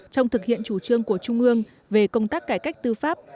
trong thực hiện chủ trương của trung ương về công tác cải cách tư pháp